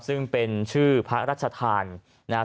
ซึ่งเป็นชื่อพระราชทานนะครับ